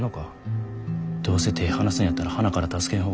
どうせ手ぇ離すんやったらはなから助けん方がええ。